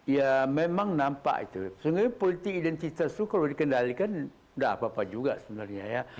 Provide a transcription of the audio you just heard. ya memang nampak itu sebenarnya politik identitas itu kalau dikendalikan tidak apa apa juga sebenarnya ya